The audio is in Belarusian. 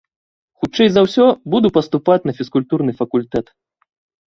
Хутчэй за ўсё, буду паступаць на фізкультурны факультэт.